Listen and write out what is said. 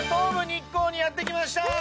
日光にやって来ました。